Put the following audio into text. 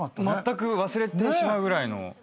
まったく忘れてしまうぐらいの。